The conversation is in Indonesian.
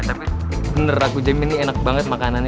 tapi bener aku jam ini enak banget makanannya